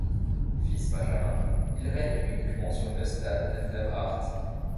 Fils benjamin, il règne uniquement sur Neustadt-an-der-Haardt.